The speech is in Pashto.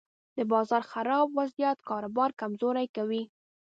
د بازار خراب وضعیت کاروبار کمزوری کوي.